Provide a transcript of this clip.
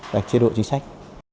và chế độ chính sách